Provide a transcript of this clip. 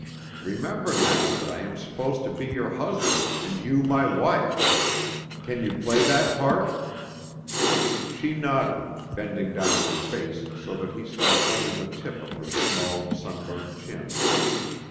Remember, now, that I am supposed to be your husband and you my wife. Can you play that part?" She nodded, bending down her face so that he saw only the tip of her small, sunburnt chin.